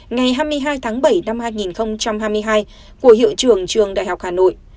ngày hai mươi hai tháng bảy năm hai nghìn hai mươi hai của hiệu trưởng trường đại học hà nội